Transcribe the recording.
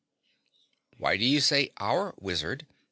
"Why do you say 'our' Wizard?"